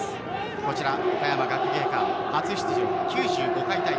こちら岡山学芸館、初出場９５回大会。